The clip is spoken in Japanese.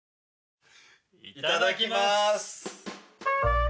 いただきます。